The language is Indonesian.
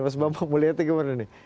mas bapak mau lihatnya kemana nih